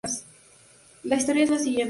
La historia es la siguiente.